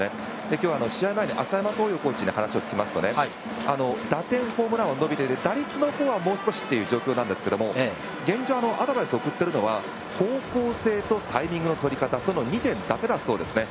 今日、試合前にコーチに話を聞きますと、打点、ホームランは伸びているんですが、現状アドバイスを送っているのは方向性とタイミングの取り方、その２点だけだそうですね。